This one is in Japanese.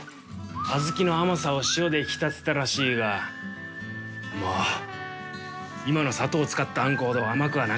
あずきの甘さを塩で引き立ててたらしいがまあ今の砂糖を使ったあんこほど甘くはなかっただろうな。